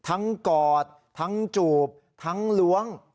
กอดทั้งจูบทั้งล้วง